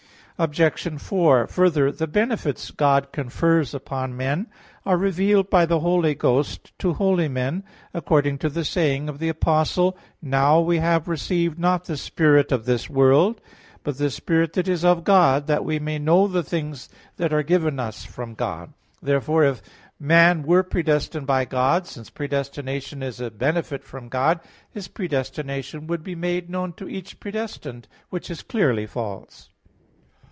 Obj. 4: Further, the benefits God confers upon men are revealed by the Holy Ghost to holy men according to the saying of the Apostle (1 Cor. 2:12): "Now we have received not the spirit of this world, but the Spirit that is of God: that we may know the things that are given us from God." Therefore if man were predestined by God, since predestination is a benefit from God, his predestination would be made known to each predestined; which is clearly false.